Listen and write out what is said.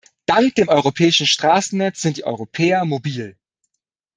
Dank dem europäischen Straßennetz sind die Europäer mobil.